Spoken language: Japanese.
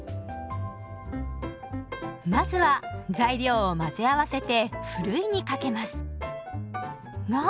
まずは材料を混ぜ合わせてふるいにかけますが。